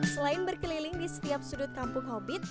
selain berkeliling di setiap sudut kampung hobit